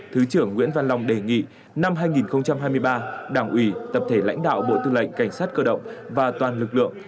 thứ trưởng nguyễn văn long đề nghị năm hai nghìn hai mươi ba đảng ủy tập thể lãnh đạo bộ tư lệnh cảnh sát cơ động và toàn lực lượng